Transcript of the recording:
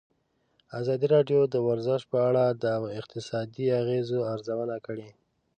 ازادي راډیو د ورزش په اړه د اقتصادي اغېزو ارزونه کړې.